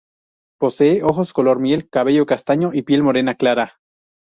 Posee ojos color miel, cabello castaño y piel morena clara.